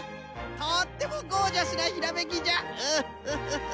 とってもゴージャスなひらめきじゃ！